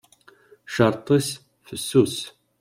Ccerṭ-is fessus.